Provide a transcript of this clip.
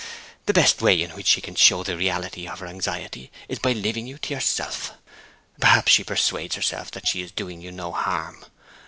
The best way in which she can show the reality of her anxiety is by leaving you to yourself. Perhaps she persuades herself that she is doing you no harm.